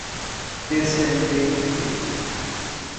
descendente